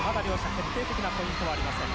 決定的なポイントはありません。